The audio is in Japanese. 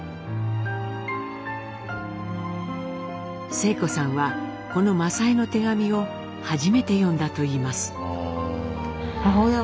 晴子さんはこの政枝の手紙を初めて読んだといいます。